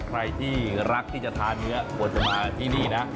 ใครที่รักที่จะทานเนื้อควรจะมาที่นี่นะ